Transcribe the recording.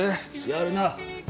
やるな。